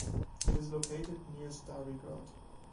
It is located near Stari Grad.